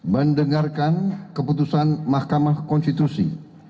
mendengarkan keputusan mahkamah konstitusi